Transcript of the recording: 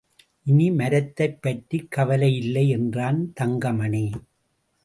இனி மரத்தைப்பற்றிக் கவலையில்லை என்றான் தங்கமணி.